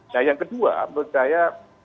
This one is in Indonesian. nah yang kedua menurut saya